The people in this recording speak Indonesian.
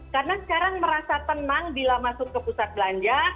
karena sekarang merasa tenang bila masuk ke pusat belanja